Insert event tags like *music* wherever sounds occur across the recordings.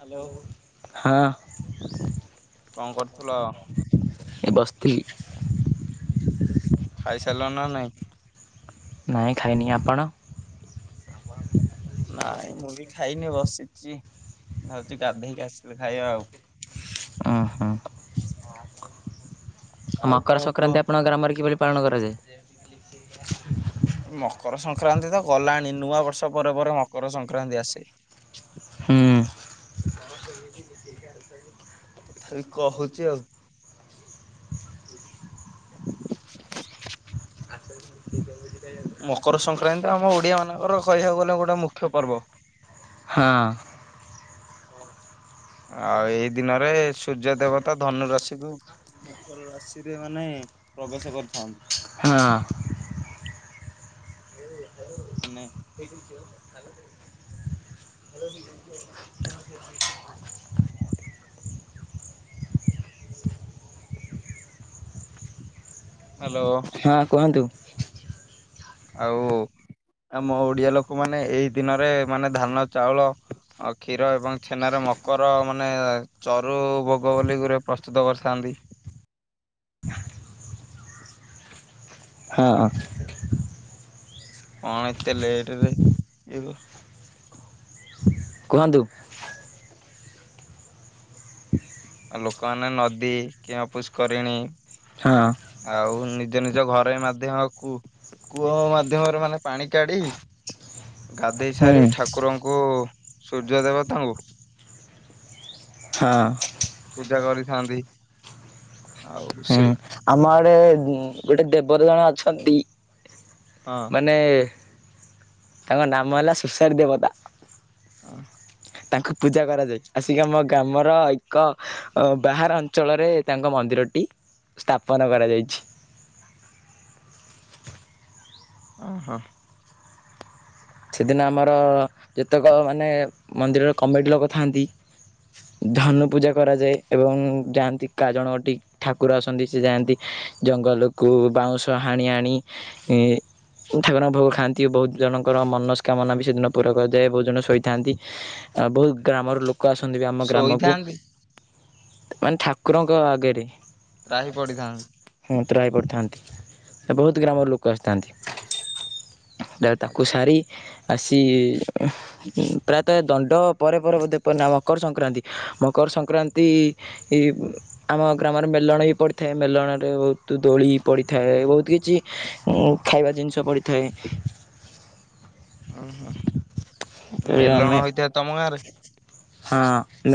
Hello. ହଁ କଣ କରୁଥିଲ? ଏ ବାସେଥିଲି। ଖାଇସାରିଲ ନା ନାଇଁ? ନାହିଁ ଖାଇନି ଆପଣ? ନାଇଁ ମୁଁ ବି ଖାଇନି ବସିଛି। ହଉଛି ଗାଧେଇକି ଆସିଲି ଖାଇବା ଆଉ। ଓ ହୋ। ଆଉ କଣ ମକର କୁହ? ସଂକ୍ରାନ୍ତି ଆପଣଙ୍କର ଗ୍ରାମରେ କିଭଳି ପାଳନ କରାଯାଏ? ମକର ସଂକ୍ରାନ୍ତି ତ ଗଲାଣି ନୂଆ ବର୍ଷ ପରେ ପରେ ମକର ସଂକ୍ରାନ୍ତି ଆସେ। ହୁଁ ହ ସେ *inaudible* ତଥାପି କହୁଛି ଆଉ। *inaudible* *unintelligible* ମକର ସଂକ୍ରାନ୍ତି ଆମ ଓଡିଆ ମାନଙ୍କର କହିବାକୁ ଗଲେ ଗୋଟେ ମୁଖ୍ୟ ପର୍ବ। ହଁ ଆଉ ଏଇ ଦିନରେ ସୂର୍ଯ୍ୟ ଦେବତା ଧନୁ ରାଶିକୁୁ ମ ରାଶିରେ ମାନେ ପ୍ରବେଶ କରିଥାନ୍ତି। ହଁ ଅନେ *unintelligible* *inaudible* ହ୍ୟାଲୋ ହଁ କୁହନ୍ତୁ। ଆଉ ଆମ ଓଡିଆ ଲୋକମାନୋନ ଏଇ ଦିନରେ ମାନେ ଧାନ ଚାଉଳ ଅ କ୍ଷୀର ଏବଂ ଛେନାରେ ମକର ମାନେ ଚରୁ ବୋଗ ବୋଲି ଗୁରେ ପ୍ରସ୍ତୁତ କରିଥାନ୍ତି। ହଁ। କଣ ଏତେ ଲେଟ ରେ ଇଏ କରୁ କୁହନ୍ତୁ। *inaudible* ଆଉ ଲୋକମାନେ ନଦୀ କିବା ପୁଷ୍କରିଣୀ ହଁ ଆଉ ନିଜ ନିଜ ଘରେ ମାଧ୍ୟମ କୁ କୂଅ ମାଧ୍ୟମରେ ମାନେ ପାଣି କାଢି ଗାଧୋଇ ହୁଁ ସାରି ଠାକୁରଙ୍କୁ ସୂର୍ଯ୍ୟ ଦେବତାଙ୍କୁ ହଁ। ପୂଜା କରିଥାନ୍ତି। ଆଉ ସେ ହୁଁ ଆମ ଆଡେ ଗୋଟେ ଦେବତ ଜଣେ ଅଛନ୍ତି। ହଁ। ମାନେ ତାଙ୍କ ନାମ ହେଲା ସୁଶାରୀ ଦେବତା। ହଁ। ତାଙ୍କୁ ପୂଜା କରାଯାଏ। ଆସିକି ଆମ ଗ୍ରାମର ଏକ ବାହାର ଅଞ୍ଚଳରେ ତାଙ୍କ ମନ୍ଦିରଟି ସ୍ଥାପନ କରାଯାଇଚି। ଓହୋ। ସେଦିନ ଆମର ଯେତେକ ମାନେ ମନ୍ଦିରର କମିଟି ଲୋକ ଥାଆନ୍ତି ଧନୁ ପୂଜା କରାଯାଏ ଏବଂ ଯାଆନ୍ତି କା ଜଣ ଅଟି। ଠାକୁର ଆସନ୍ତି ସେ ଯାଆନ୍ତି ଜଙ୍ଗଲକୁ ବାଉଁଶ ହାଣି ଆଣି ଠାକୁର ଙ୍କ ଭୋଗ ଖାଆନ୍ତି। ବହୁତ ଜଣ ଙ୍କର ମନସ୍କାମନା ବି ସେଦିନ ପୁରା କରାଯାଏ। ବହୁତ ଜଣ ଶୋଇଥାନ୍ତି ଆଉ ବହୁତ ଗ୍ରାମର ଲୋ କ ଆସନ୍ତି ବି ଆମ ଗ୍ରାମକୁ। ଶୋଇଥାନ୍ତି ମାନେ ଠାକୁରଙ୍କ ଆଗରେ। ତ୍ରାହି ପଡିଥାନ୍ତି। *unintelligible* ହଁ ତ୍ରାହି ପଡ଼ିଥାନ୍ତି। ବହୁତ ଗ୍ରାମର ଲୋକ ଆସିଥାନ୍ତି। କୁ ଆଛା ସାରି ଆସି ପ୍ରାୟତଃ ଦଣ୍ଡ ପରେ ପରେ ବୋଧେ ପରେ ନା ମକର ସଂକ୍ରାନ୍ତି ମକର ସଂକ୍ରାନ୍ତି ଏଇ ବ ଆମ ଗ୍ରାମରେ ମେଲଣ ବି ପଡ଼ିଥାଏ। ମେଲଣରେ ବହୁ ତୁ ଦୋଳି ପଡ଼ିଥାଏ ବହୁତ କିଛି ଖାଇବା ଜିନିଷ ପଡ଼ିଥାଏ। ଉଁ ହୁଁ। ତେବେ ଆମେ ଗାଁରେ? ହଁ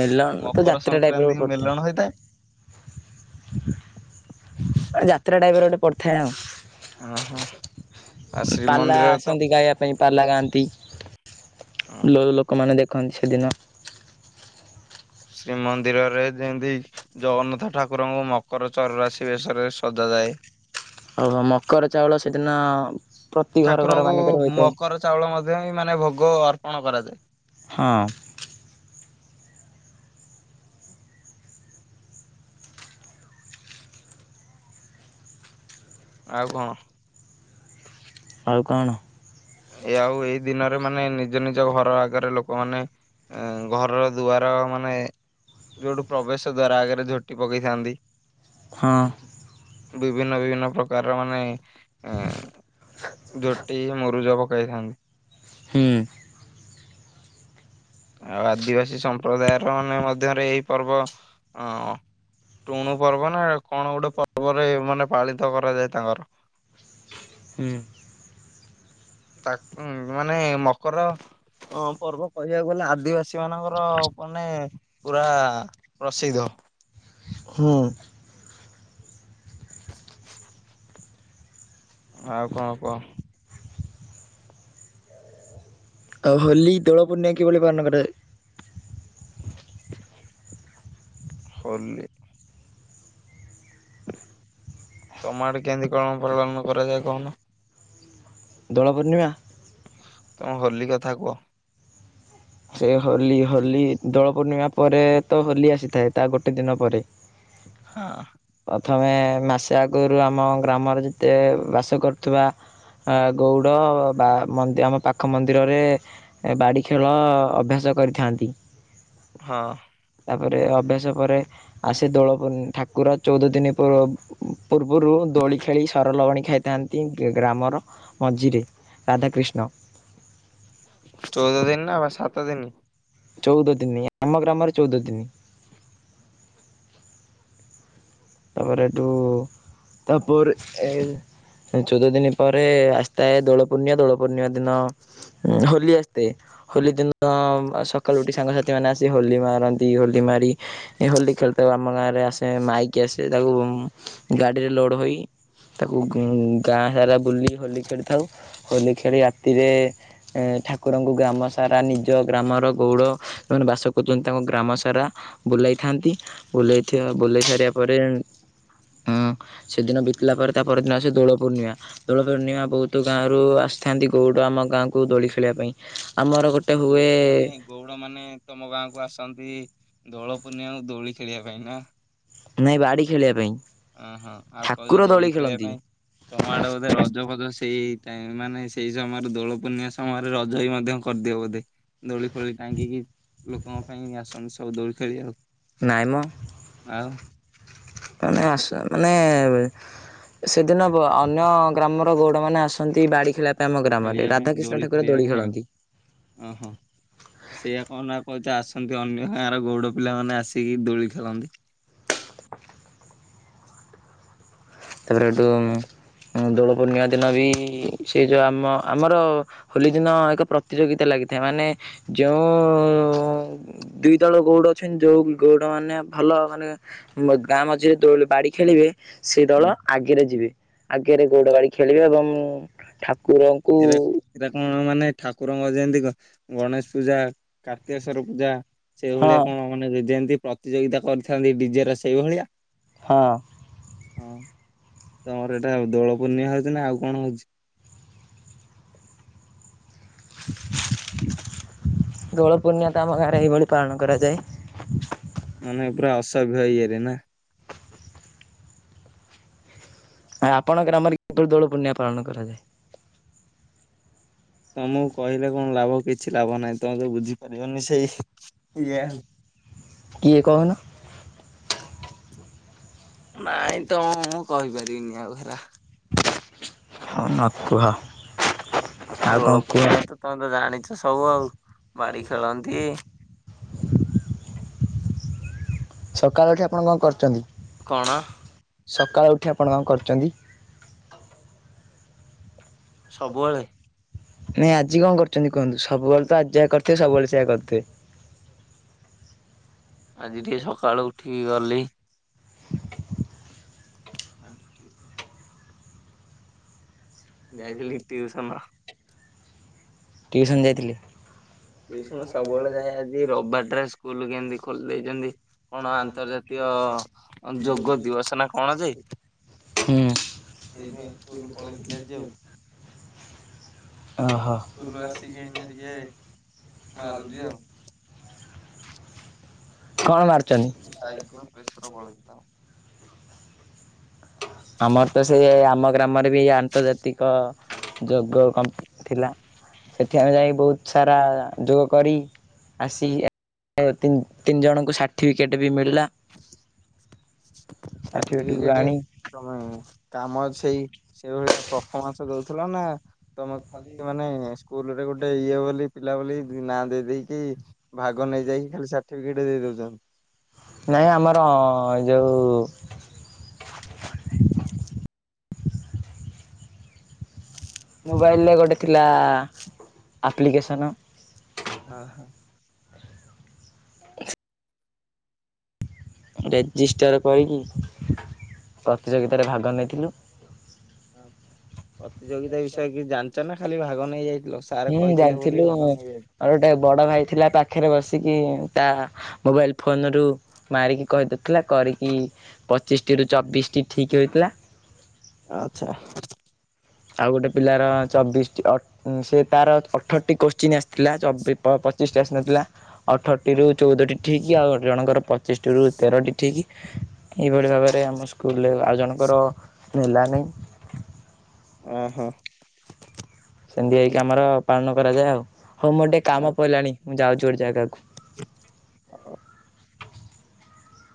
ମେଲ ତ ମକର ଯାତ୍ରା ଟାଇପ ସଂକ୍ରାନ୍ତି ର ମେଲଣ ପଡ଼ିଥାଏ। ହୋଇଥାଏ। ଯାତ୍ରା ଟାଇଭର ଗୋଟେ ପଡ଼ିଥାଏ ଆଉ। ଓହୋ ଆଉ ପାଲା ଶ୍ରୀମନ୍ଦିରରେ ତ ଆସନ୍ତି ଗାଇବା ପାଇଁ ପାଲା ଗାଆନ୍ତି ହଁ ଲୋ ଲୋକମାନେ ଦେଖନ୍ତି ସେଦିନ। ଶ୍ରୀମନ୍ଦିରରେ ଯେମତି ଜଗନ୍ନାଥ ଠାକୁରଙ୍କୁ ମକର ଚରରାଶି ବେଶରେ ସଜାଯାଏ। ଓଉ ମକର ଚାଉଳ ସେଦିନ ପ୍ରତି ଘର ଘର ଠାକୁରଙ୍କୁ ମାନି କରେ ହୋଇଥାଏ। ମକର ଚାଉଳ ମଧ୍ୟ ବିଁ ମାନେ ଭୋଗ ଅର୍ପଣ କରାଯାଏ। ହଁ। ଆଉ କଣ? ଆଉ କଣ? ଏ ଆଉ ଏଇ ଦିନରେ ମାନେ ନିଜ ନିଜ ଘର ଆଗରେ ଲୋକମାନେ ଘରର ଦୁଆର ମାନେ ଯୋଉଠୁ ପ୍ରବେଶ ଦ୍ଵାରା ଆଗରେ ଝୋଟି ପକେଇଥାନ୍ତି। ହଁ। ବିଭିନ୍ନ ବିଭିନ୍ନ ପ୍ରକାରର ମାନେ ଝୋଟି ମୁ ରୂଜା ପକାଇଥାନ୍ତି। ହୁଁ। ଆଉ ଆଦିବାସୀ ସମ୍ପ୍ରଦାୟର ମାନେ ମଧ୍ୟରେ ଏଇ ପର୍ବ ଅ ଟୁଣୁ ପର୍ବ ନା କଣ ଗୋଟେ ପର୍ବରେ ମାନେ ପାଳିତ କରାଯାଏ ତାଙ୍କର ହୁଁ। ତାକୁ ଉଁ ମାନେ ମକର ପର୍ବ କହିବାକୁ ଗଲେ ଆଦିବାସୀ ଦିବାସୀ ମାନଙ୍କର ମାନେ ପୁରା ପ୍ରସିଦ୍ଧ। ହୁଁ। ଆଉ କଣ କୁହ? ଆଉ ହୋଲି, ଦୋଳ ପୂର୍ଣ୍ଣମି କିଭଳି ପାଳନ କରାଯାଏ? *inaudible* ହୋଲି ତମ ଆଡେ କେମିତି କଣ ପାଳନ କରାଯାଏ କହୁନୁ? ଦୋଳପୂର୍ଣ୍ଣିମା ତମେ ହୋଲି କଥା କୁହ? ସେ ହୋଲି ହୋଲି ଦୋଳ ପୂର୍ଣ୍ଣିମା ପରେ ତ ହୋଲି ଆସିଥାଏ ତା ଗୋଟେ ଦିନ ପରେ। ହଁ। ପ୍ରଥମେ ମାସେ ଆଗରୁ ଆମ ଗ୍ରାମରେ ଯେତେ ବାସ କରୁଥିବା ଗଉଡ଼ ବା ଆମ ପାଖ ମନ୍ଦିରରେ ବାଡ଼ି ଖେଳ ଳ ଅଭ୍ୟାସ କରିଥାନ୍ତି। ହଁ। ତାପରେ ଅଭ୍ୟାସ ପରେ ଆସି ଦୋଳ ପୁ ଠାକୁର ଚଉଦ ଦିନ ପ ପୂର୍ବରୁ ଦୋଳି ଖେଳି ସର ଲହୁଣୀ ଖାଇଥାନ୍ତି ଗ୍ରାମର ମଝିରେ। ରାଧାକିଷ୍ଣ ଚଉଦ ଦିନ ନା ବା ସାତ ଦିନ? ଚଉଦ ଦିନି, ଆମ ଗ୍ରାମରେ ଚଉଦ ଦିନି। ତାପରେ ତୁ ତାପରେ ଏ ଚଉଦ ଦିନ ପରେ ଆସି ଥାଏ ଦୋଳ ପୂର୍ଣ୍ଣି୍ୟ ଦୋଳ ପୂର୍ଣ୍ଣିମା ଦିନ ହୋଲି ଆସିଥାଏ। ହୋଲି ଦିନ ସକାଳୁ ଉଠି ସାଙ୍ଗସାଥି ମାନେ ଆସି ହୋଲି ମାରନ୍ତି ହୋଲି ମାରି ହୋଲି ଖେଲିଥାଉ ଆମ ଗାଁରେ ଆସେ ମାଇକ କସେ ତାକୁ ଗାଡ଼ିରେ ଲୋଡ଼ ହୋଇ ତାକୁ ଗାଁ ସାରା ଵୁଲି ହୋଲି ଖେଳିଥାଉ ହୋଲି ଖେଳି ରାତିରେ ଏ ଠାକୁରଙ୍କୁ ଗ୍ରାମ ସାରା ନିଜ ଗ୍ରାମର ଗଉଡ଼ ସେମାନେ ବାସ କରୁଛନ୍ତି ତାଙ୍କ ଗ୍ରାମ ସାରା ବୁଲେଇଥାନ୍ତି ବୁଲେଇଥିବା ବୁଲେଇ ସାରିଵା ପରେ ଆ ସେଦିନ ବିତିଲା ପରେ ତା ପରଦିନ ଆସେ ଦୋଳପୂର୍ଣ୍ଣିମା। ଦୋଳ ପୂର୍ଣ୍ଣିମା ବହୁତ ଗାଁରୁ ଆସିଥାନ୍ତି ଗୋଉଡ଼ ଆମ ଗାଁକୁୁ ଦୋଳି ଖେଳିବା ପାଇଁ। ଆମର ଗୋଟେ ହୁଏ ଗଉଡ଼ ମାନେ ତମ ଗାଁକୁ ଆସନ୍ତି ଦୋଳ ପୂର୍ଣ୍ଣିମାକୁ ଦୋଳି ଖେଳିବା ପାଇଁ ନା ନାଇଁ ବାଡ଼ି ଖେଳିବା ପାଇଁ। ଓହୋ ଆଉ କହୁଛ ଠାକୁର ଦୋଳି ଖେଳିବା ଖେଳନ୍ତି ପାଇଁ। ତମ ଆଡେ ବୋଧେ ରଜ ଫଜ ସେଇ ଟାଇମ ମାନେ ସେଇ ସମୟରେ ଦୋଳ ପୂର୍ଣ୍ଣିଆ ସମୟରେ ରଜ ଭି ମଧ୍ୟ କରିଦିଅ ବୋଧେ ଦୌଳି ଫଳି ଟାଙ୍ଗିକି ଲୋକଙ୍କ ପାଇଁ ଆସନ୍ତି ସବୁ ଦୌଳି ଖେଳିବାକୁ। ନାଇଁ ମ ଆଉ ମାନେ ଆସ ମାନେ ସେଦିନ ଅନ୍ୟ ଗ୍ରାମର ଗୌଡ଼ମାନେ ଆସନ୍ତି ବାଡି ଖେଳି ବା ଆମ ଗ୍ରାମରେ ଖେଳିବା ପାଇଁ ରାଧାକୃିଷ୍ଣ ଠାକୁର ଖେଳିବା ଦୋଳି ପାଇଁ ଆଉ ଖେଳନ୍ତି। ଓହୋ। ସେଇଆ କହୁନ ଆଉ କହୁଛ ଆସନ୍ତି ଅନ୍ୟ ଗାଁର ଗୌଡ ପିଲାମାନେ ଆସିକି ଦୋଳି ଖେଳନ୍ତି। ତାପରେ ଏଠୁ ଦୋଳପୂର୍ଣ୍ଣିମା ଦିନ ବି ସେ ଯେଉଁ ଆମ ଆମର ହୋଲି ଦିନ ଏକ ପ୍ରତିଯୋଗିତା ଲାଗିଥାଏ ମାନେ ଯେଉଁ ଦି ଦଳ ଗୌଉଡ ଅଛନ୍ତି ଯୋଉ ଗଉଡ ମାନେ ଭଲ ମାନେ ମୋ ଗାଁ ମଝିରେ ଦୋ ବାଡି ଖେଳିବେ ସେ ହଁ ଦଳ ଆଗରେ ଯିବେ ଆଗରେ ଗୌଡ ବାଡି ଖେଳିବେ ଏବଂ ଠାକୁରଙ୍କୁ ଏରା ଏଇଟା କଣ ମାନେ ଠାକୁରଙ୍କ ଯେମିତି କ ଗଣେଶ ପୂଜା କାର୍ତ୍ତିକେଶ୍ୱର ପୂଜା ହଁ ସେଇଭଳିଆ କଣ ମାନେ ଯେମିତି ପ୍ରତିଯୋଗିତା କରିଥାନ୍ତି ଡିଜେ ର ସେଇଭଳିଆ? ହଁ। ହଁ। ତମର ଏଇଟା ଦୋଳ ପୂର୍ଣ୍ଣିମା ହଉଛି ନା ଆଉ କଣ ହଉଛି? ଦୋଳ ପୂର୍ଣ୍ଣିମା ଟା ଆମ ଗାଁରେ ଏହିଭଳି ପାଳନ କରାଯାଏ। ମାନେ ପୁରା ଅସଭ୍ୟ ଇଏରେ ନା? ଭାଇ ଆପଣ ଗ୍ରାମରେ କିପରି ଦୋଳ ପୂର୍ଣ୍ଣିମା ପାଳନ କରାଯାଏ? ତମକୁ କହିଲେ କଣ ଲାଭ କିଛି ଲାଭ ନାହିଁ ତମେ ତ ବୁଝିପାରିବନି ସେଇ ଇଆ କିଏ କହୁନ? ନାଇଁ ତ ମୁଁ କହିପାରିବିନି ଆଉ ହେରା। ହଁ ନ କୁହ। ଆଉ କଣ ଦୋଳ କୁହ? ପୂର୍ଣ୍ଣିଆ ତ ତମେ ତ ଜାଣିଛ ସବୁ ଆଉ ବାଡି ଖେଳନ୍ତି। ସକାଳୁ ଉଠି ଆପଣ କଣ କରିଚନ୍ତି କଣ ସକାଳୁ ଉଠି ଆପଣ କଣ କରିଚନ୍ତି? ସବୁବେଳେ ନାଇଁ ଆଜି କଣ କରିଚନ୍ତି କୁହନ୍ତୁ? ସବୁବେଳେ ତ ଆଜି ଯା କରିଥିବେ ସବୁବେଳେ ସେଇଆ କରିଥିବେ। ଆଜି ଟିକେ ସକାଳୁ ଉଠିକି ଗଲି ଆ ଯାଇିଥିଲି ଟିଉସନ। ଟିଉସନ୍ ଯାଇଥିଲି। ଟିଉସନ ସବୁବେଳେ ଯାଏ ଆଜି ରବିବାର ଟା ସ୍କୁଲ କେମତି ଖୋଲି ଦେଇଛନ୍ତି। କଣ ଆନ୍ତର୍ଜାତୀୟ ଯୋଗ ଦିବସ ନା କଣ ଯେ ହୁଁ। ସେଇଥି ପାଇଁ ସ୍କୁଲୁ ପଳେଇଥିଲି ଆଜି ଆଉ। ଅ ହ। ସ୍କୁଲରୁ ଆସିକି ଏଇନା ଟିକେ ମାରୁଚି ଆଉ। କଣ ମାରୁଛନ୍ତି? ସାଇକଲ ପ୍ରେଶର ପଳେଇଥିଲା। ଆମର ତ ସେଇ ଆମ ଗ୍ରାମରେ ବି ଆନ୍ତର୍ଜାତିକ ଯୋଗ କମ୍ପ ଥିଲା ସେଠି ଆମେ ଯାଇ ବହୁତ ସାରା ଯୋଗ କରି ଆସି ତିନ୍ ତିନି ଜଣଙ୍କୁ ସାର୍ଟିଫିକେଟ୍ ବି ମିଳିଲା। ସାର୍ଟିଫିକେଟକୁ ସାଠିପିକେଟ ଆଣି ତମେ କାମ ଛେଇ ସେ ଭଳିଆ ପଫମାନ୍ସ ଦଉଥିଲ ନା ତମ ମାନେ ସ୍କୁଲ ରେ ଗୋଟେ ଇଏ ବୋଲି ପିଲା ବୋଲି ନାଁ ଦେଇ ଦେଇକି ଭାଗ ନେଇଯାଇକି ଖାଲି ସାର୍ଟିଫିକେଟ ଦେଇ ଦଉଛନ୍ତି। ନାଇଁ ଆମର ଯୋଉ ମୋବାଇଲରେ ଗୋଟେ ଥିଲା ଆପ୍ଲିକେସନ୍। ଓ ହୋ। ରେଜିଷ୍ଟର୍ କରିକି ପ୍ରତିଯୋଗିତାରେ ଭାଗ ନେଇଥିଲୁ। ଆଚ୍ଛା। ପ୍ରତିଯୋଗିତା ବିଷୟରେ କିଚି ଜାଣିଚ ନା ଖାଲି ଭାଗ ନେଇ ଯାଇଥିଲ ସାର୍ ହୁଁ କହିଥିଲେ ବୋଲି ଜାଣିଥିଲୁ ଭାଗ ନେଇ ଯାଇଥିଲ ମୋର ଗୋଟେ ବଡ ଭାଇ ଥିଲା ପାଖରେ ବସିକି ତା ମୋବାଇଲ ଫୋନ ରୁ ମାରିକି କହିଦେଉଥିଲା କରିକି ପଚିଶଟିରୁ ଚବିଶଟି ଠିକ୍ ହୋଇଥିଲା। ଆଚ୍ଛା। ଆଉ ଗୋଟେ ପିଲାର ଚବିଶ ସେ ତାର ଅଠରଟି କୋଶ୍ଚିନ୍ ଆସି ଥିଲା ଚବିଶ ପଚିଶ ଟା ଆସିନଥିଲା। ଅଠରଟି ର ଚଉଦଟି ଠିକି ଆଉ ଜଣଙ୍କର ପଚିଶଟି ର ତେରଟି ଠିକ। ଏହିଭଳି ଭାବରେ ଆମ ସ୍କୁଲରେ ଆଉ ଜଣଙ୍କର ନେଲାନାହିଁ। ଓହୋ। ସେମିତି ହେଇକି ଆମର ପାଳନ କରାଯାଏ ଆଉ ହଉ ମୋର ଟିକେ କାମ ପଡିଲାଣି ମୁଁ ଯାଉଛି ଗୋଟେ ଜାଗାକୁ ଆଉ